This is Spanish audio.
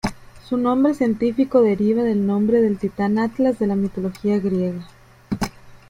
Su nombre científico deriva del nombre del titán Atlas de la mitología griega.